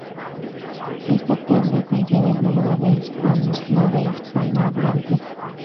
Esta tabla contiene el número de hispanos, no de hispanohablantes.